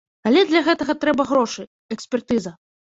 Але для гэтага трэба грошы, экспертыза.